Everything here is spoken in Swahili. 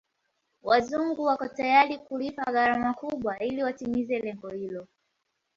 Wazungu wako tayari kulipa gharama kubwa ili watimize lengo hilo